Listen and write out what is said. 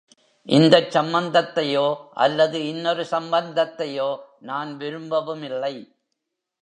இந்தச் சம்மந்தத்தையோ அல்லது இன்னொரு சம்மந்தத்தையோ நான் விரும்பவுமில்லை.